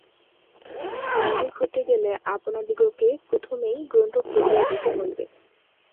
ধার্মিক হইতে গেলে আপনাদিগকে প্রথমেই গ্রন্থ ফেলিয়া দিতে হইবে।